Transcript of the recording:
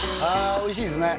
おいしいですね